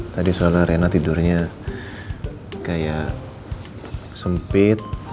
tadi soalnya reina tidurnya kayak sempit